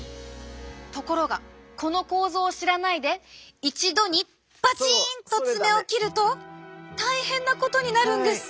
ところがこの構造を知らないで一度にバチンと爪を切ると大変なことになるんです！